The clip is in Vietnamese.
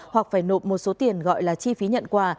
hoặc phải nộp một số tiền gọi là chi phí nhận quà